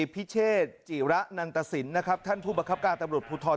พิชเจจีระนันตสินค่ะท่านผู้บังครับการตำรวจพูทธร